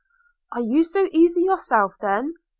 'Are you so easy yourself then?'